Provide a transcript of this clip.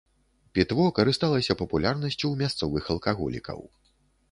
Пітво карысталася папулярнасцю ў мясцовых алкаголікаў.